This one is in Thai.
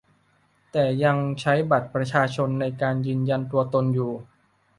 แต่ยังใช้บัตรประชาชนในการยืนยันตัวตนอยู่